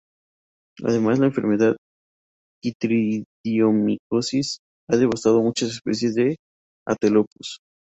Además, la enfermedad quitridiomicosis, ha devastado muchas especies de Atelopus.